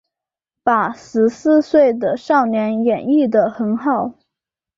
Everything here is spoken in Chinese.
把十四岁的少年演绎的很好